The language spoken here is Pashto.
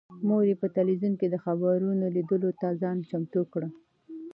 مور یې په تلویزون کې د خبرونو لیدلو ته ځان چمتو کړ.